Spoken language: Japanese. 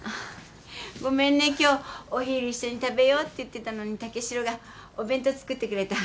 ごめんね今日お昼一緒に食べようって言ってたのに武四郎がお弁当作ってくれた。